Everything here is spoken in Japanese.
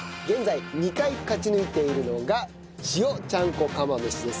現在２回勝ち抜いているのが塩ちゃんこ釜飯です。